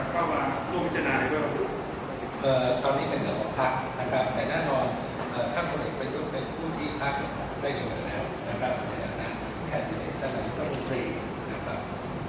ตอนนี้เป็นเรื่องของภาคแต่น่านอนถ้ามันเป็นอุณหภาคได้สัญลักษณะแค่นั้นก็นักน้อยก็รู้สึก